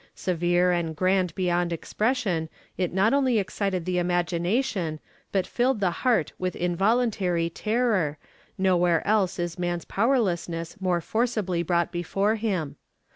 Severe and grand beyond expression it not only excited the imagination but filled the heart with involuntary terror, nowhere else is man's powerlessness more forcibly brought before him....